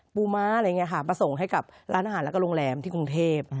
ม้าอะไรอย่างนี้ค่ะมาส่งให้กับร้านอาหารแล้วก็โรงแรมที่กรุงเทพ